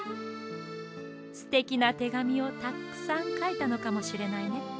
すてきなてがみをたっくさんかいたのかもしれないね。